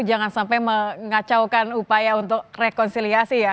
jangan sampai mengacaukan upaya untuk rekonsiliasi ya